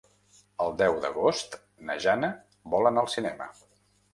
El deu d'agost na Jana vol anar al cinema.